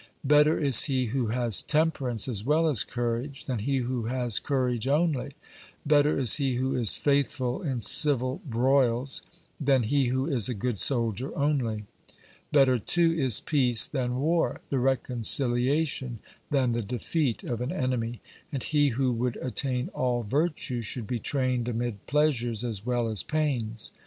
Better is he who has temperance as well as courage, than he who has courage only; better is he who is faithful in civil broils, than he who is a good soldier only. Better, too, is peace than war; the reconciliation than the defeat of an enemy. And he who would attain all virtue should be trained amid pleasures as well as pains.